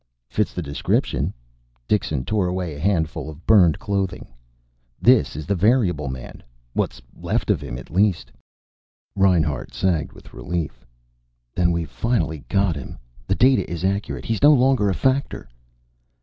"Fits the description." Dixon tore away a handful of burned clothing. "This is the variable man. What's left of him, at least." Reinhart sagged with relief. "Then we've finally got him. The data is accurate. He's no longer a factor."